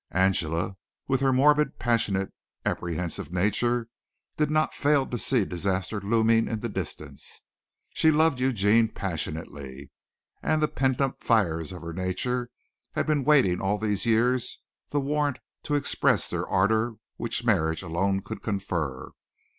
Angela, with her morbid, passionate, apprehensive nature, did not fail to see disaster looming in the distance. She loved Eugene passionately and the pent up fires of her nature had been waiting all these years the warrant to express their ardor which marriage alone could confer.